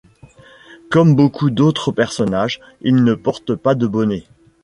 Comme beaucoup d'autres personnages, il ne porte pas de bonnet.